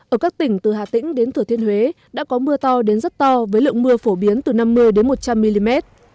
ở các tỉnh từ hà tĩnh đến thửa thiên huế đã có mưa to đến rất to với lượng mưa phổ biến từ năm mươi một trăm linh mm